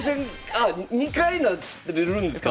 そう２回なれるんですよ。